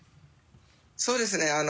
そうですね。